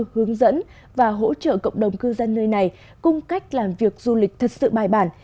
hướng dẫn và hỗ trợ cộng đồng cư dân nơi này cung cách làm việc du lịch thật sự bài bản